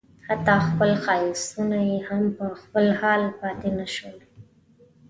حتی خپل ښایستونه یې هم په خپل حال پاتې نه شول.